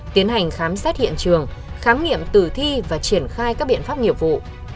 tiến hành khám xét hiện trường khám nghiệm tử thi và triển khai các biện pháp nghiệp vụ